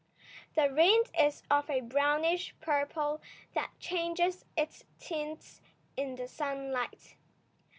The rind is of a brownish purple that changes its tints in the sunlight.